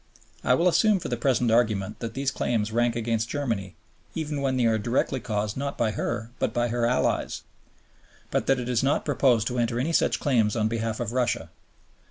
I will assume for the present argument that these claims rank against Germany, even when they were directly caused not by her but by her allies; but that it is not proposed to enter any such claims on behalf of Russia.